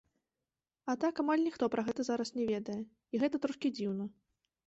А так амаль ніхто пра гэта зараз не ведае, і гэта трошкі дзіўна.